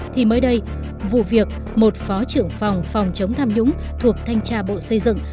thì mới đây vụ việc một phó trưởng phòng phòng chống tham nhũng thuộc thanh tra bộ xây dựng